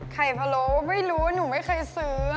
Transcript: ไข่พะโล๊ะไม่รู้ว่าหนูไม่เคยซื้อ